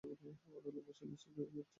আড়ালে বসে নিশ্চয়ই কেউ কুটচাল চালছে!